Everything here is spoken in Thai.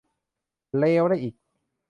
เลวได้อีก